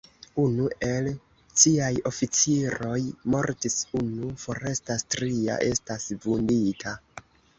Unu el ciaj oficiroj mortis, unu forestas, tria estas vundita.